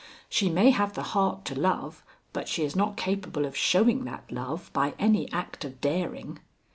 "She may have the heart to love, but she is not capable of showing that love by any act of daring."